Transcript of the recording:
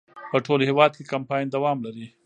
په ټول هېواد کې کمپاین دوام لري.